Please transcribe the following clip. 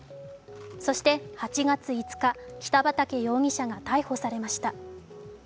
そして８月５日、北畠容疑者が逮捕されました。